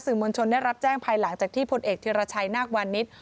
มวลชนได้รับแจ้งภายหลังจากที่พลเอกธิรชัยนาควานิส